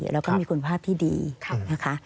แล้วก็มีคุณภาพที่ดีนะคะ